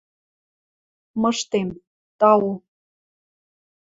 – Мыштем... тау...